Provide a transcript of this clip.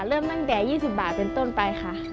เริ่มตั้งแต่๒๐บาทเป็นต้นไปค่ะ